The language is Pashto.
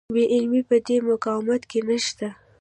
بې عملي په دې مقاومت کې نشته.